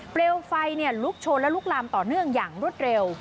เปลวไฟลุกชนและลุกลามต่อเนื่องอย่างรวดเร็ว